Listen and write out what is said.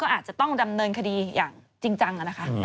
อาจจะต้องดำเนินคดีอย่างจริงจังนะคะ